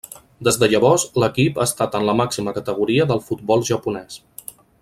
Des de llavors, l'equip ha estat en la màxima categoria del futbol japonès.